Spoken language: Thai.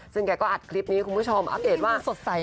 ซึ่งแกก็อัดคลิปนี้คุณผู้ชมอัปเดตว่าสดใส